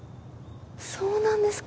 そうなんですか。